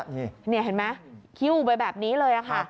นี่เห็นไหมคิ้วไปแบบนี้เลยค่ะ